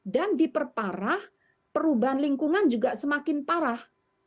dan diperparah perubahan lingkungan juga semakin parah